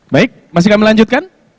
baik masih kami lanjutkan